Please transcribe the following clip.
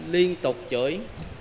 liên tục chửi